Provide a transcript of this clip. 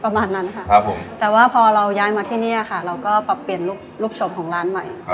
ประมาณนั้นค่ะครับผมแต่ว่าพอเราย้ายมาที่นี่ค่ะเราก็ปรับเปลี่ยนรูปศพของร้านใหม่